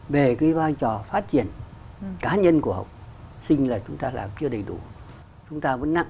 về cái vai trò phát triển cá nhân của học sinh là chúng ta làm chưa đầy đủ chúng ta vẫn nặng